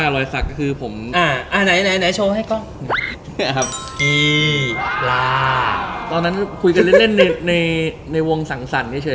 ตอนนั้นเราคุยกันเล่นในวงสั่งสั่นเฉย